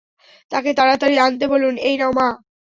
তাকে তাড়াতাড়ি আনতে বলুন, এই নাও মা।